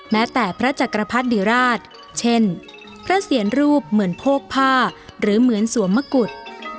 แม้แต่พระจักรพรรดิราชเช่นพระเสียรรูปเหมือนโพกผ้าหรือเหมือนสวมมะกุฎ